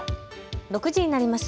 ６時になりました。